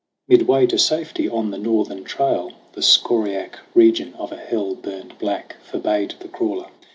Midway to safety on the northern trail The scoriae region of a hell burned black Forbade the crawler.